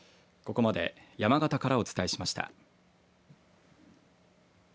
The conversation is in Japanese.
ここまで山形からお伝えしました。